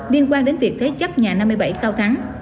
liên quan đến việc thế chấp nhà năm mươi bảy cao thắng